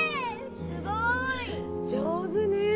すごい上手ねえ